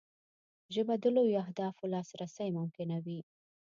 ژبه د لویو اهدافو لاسرسی ممکنوي